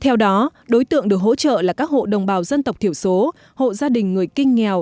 theo đó đối tượng được hỗ trợ là các hộ đồng bào dân tộc thiểu số hộ gia đình người kinh nghèo